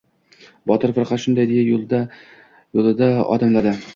Botir firqa shunday deya, yo‘lida odimladi.